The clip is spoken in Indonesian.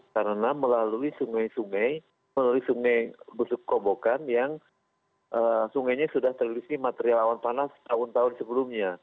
karena melalui sungai sungai melalui sungai busuk kobokan yang sungainya sudah terilisi material awan panas tahun tahun sebelumnya